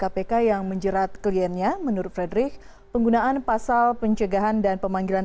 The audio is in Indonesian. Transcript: kpk yang menjerat kliennya menurut frederick penggunaan pasal pencegahan dan pemanggilan